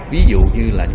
ví dụ như là